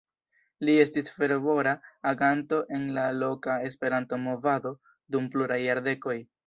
Li estis fervora aganto en la loka Esperanto-movado dum pluraj jardekoj.